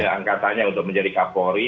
angkatannya untuk menjadi kapolri